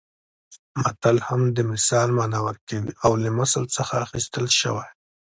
متل هم د مثال مانا ورکوي او له مثل څخه اخیستل شوی